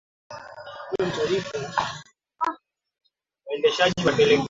Jacob aliulizwa kuhusu matokeo ya mwili wa Magreth Jacob alikubali kuwa kayapata